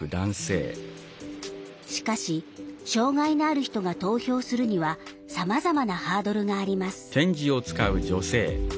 しかし障害のある人が投票するにはさまざまなハードルがあります。